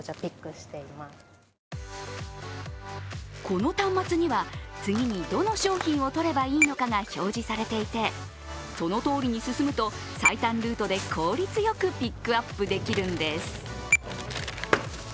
この端末には次に、どの商品をとればいいのかが表示されていてそのとおりに進むと最短ルートで効率よくピックアップできるんです。